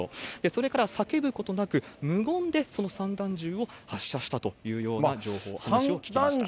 それから叫ぶことなく、無言でその散弾銃を発射したというような情報、話を聞きました。